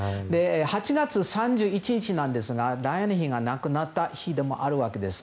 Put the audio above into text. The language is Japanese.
８月３１日なんですがダイアナ妃が亡くなった日でもあるわけです。